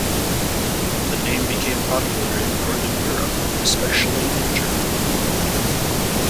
The name became popular in Northern Europe, especially in Germany.